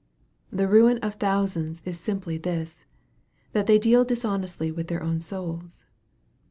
The ruin of thou sands is simply this, that they deal dishonestly with their own souls.